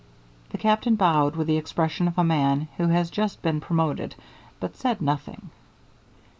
The Captain bowed with the expression of a man who has just been promoted, but said nothing.